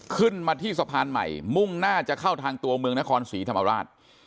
ขึ้นมาที่สะพานใหม่มุ่งหน้าจะเข้าทางตัวเมืองนครศรีธรรมราช